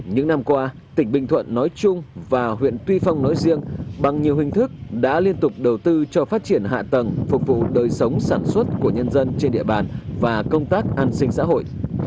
những năm qua tỉnh bình thuận nói chung và huyện tuy phong nói riêng bằng nhiều hình thức đã liên tục đầu tư cho phát triển hạ tầng phục vụ đời sống sản xuất của nhân dân trên địa bàn và công tác an sinh xã hội